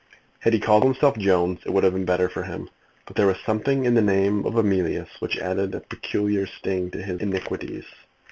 Had he called himself Jones it would have been better for him, but there was something in the name of Emilius which added a peculiar sting to his iniquities.